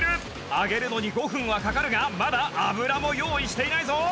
揚げるのに５分はかかるがまだ油も用意していないぞ！